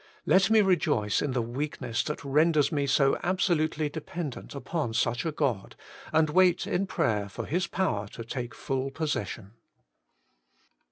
Let me rejoice in the weakness that renders me so absolutely de pendent upon such a God, and wait in prayer for His power to take full posses sion.